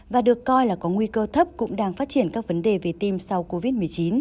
và được coi là có nguy cơ thấp cũng đang phát triển các vấn đề về tim sau covid một mươi chín